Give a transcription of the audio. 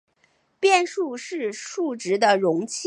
变数是数值的容器。